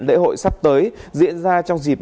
lễ hội sắp tới diễn ra trong dịp